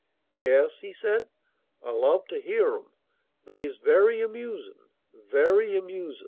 "Yes," he said, "I love to hear 'em. They's very amusin', very amusin'."